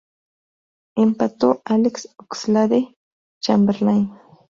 Empató Alex Oxlade-Chamberlain.